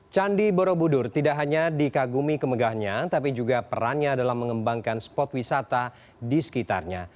candi borobudur tidak hanya dikagumi kemegahnya tapi juga perannya dalam mengembangkan spot wisata di sekitarnya